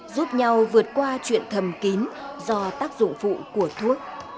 giúp nhau vượt qua chuyện thầm kín do tác dụng phụ của thuốc